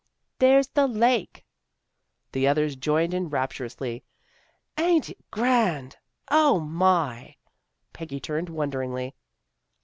" There's the lake! " The others joined in rapturously. " Ain't it grand! "" O, my! " Peggy turned wonder ingly.